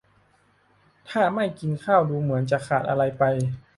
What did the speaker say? ถ้าไม่กินข้าวดูเหมือนจะขาดอะไรไป